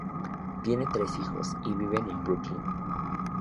Tienen tres hijos y viven en Brooklyn.